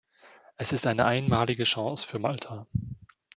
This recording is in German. Es ist eine einmalige Chance für Malta.